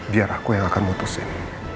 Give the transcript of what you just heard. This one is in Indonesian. biar aku yang akan memutuskan